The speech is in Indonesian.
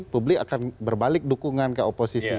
publik akan berbalik dukungan ke oposisi